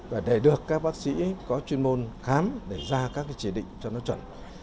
và để được các bác sĩ có chuyên môn khám để ra các chỉ định cho nó chuẩn